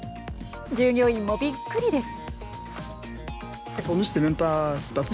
従業員もびっくりです。